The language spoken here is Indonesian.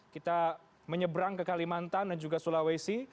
kita menyeberang ke kalimantan dan juga sulawesi